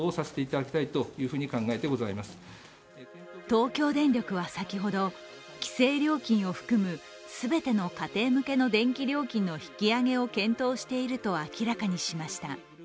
東京電力は先ほど、規制料金を含む全ての家庭向けの電気料金の引き上げを検討していると明らかにしました。